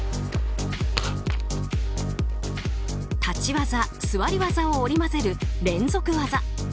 立ち技、座り技を織り交ぜる連続技。